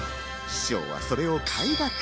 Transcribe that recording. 師匠はそれを快諾。